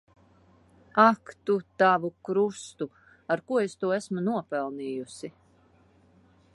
Ak tu tavu krustu! Ar ko es to esmu nopelnījusi.